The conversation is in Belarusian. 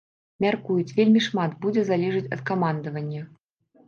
Мяркуюць, вельмі шмат будзе залежаць ад камандавання.